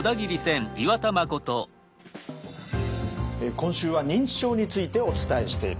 今週は認知症についてお伝えしています。